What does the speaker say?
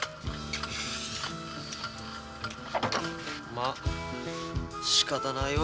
まあしかたないわ。